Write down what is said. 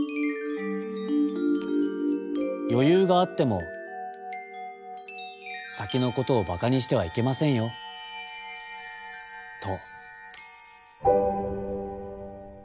「よゆうがあってもさきのことをばかにしてはいけませんよ」と。